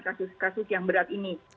kasus kasus yang berat ini